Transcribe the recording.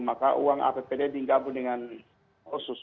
maka uang appd digabung dengan osus